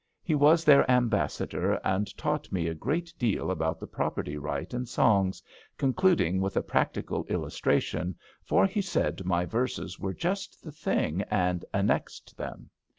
He was their ambassador, and taught me a great deal about the property right in songs, concluding with a practical illustration, for he said my verses were just the thing and annexed them.